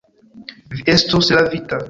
Vi estus lavita.